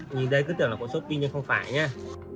nhìn đây cứ tưởng là của shopee nhưng không phải nhá